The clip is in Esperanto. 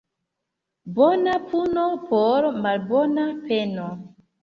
Bona puno por malbona peno.